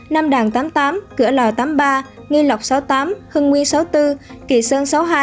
nam đàn tám mươi tám cửa lò tám mươi ba nghi lộc sáu mươi tám hưng nguyên sáu mươi bốn kỳ sơn sáu mươi hai